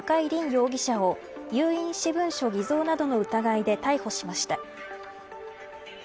容疑者を有印私文書偽造などの疑いで逮捕しました。